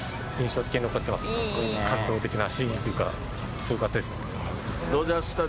感動的なシーンというかすごかったですね。